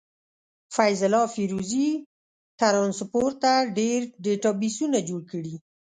فيض الله فيروزي ټرانسپورټ ته ډير ډيټابسونه جوړ کړي.